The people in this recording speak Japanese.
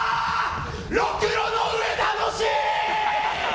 ろくろの上楽しい！